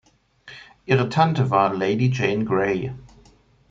Ihre Tante war Lady Jane Grey.